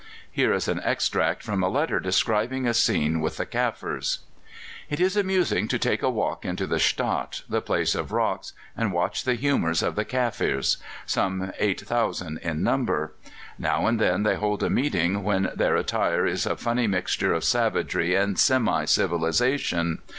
Here is an extract from a letter describing a scene with the Kaffirs: "It is amusing to take a walk into the stadt, the place of rocks, and watch the humours of the Kaffirs, some 8,000 in number. Now and then they hold a meeting, when their attire is a funny mixture of savagery and semi civilization.